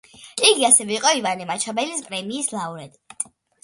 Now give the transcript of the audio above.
იგი ასევე იყო ივანე მაჩაბელის პრემიის ლაურეატი.